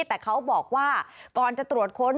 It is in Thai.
แต่เขาบอกว่าก่อนจะตรวจค้น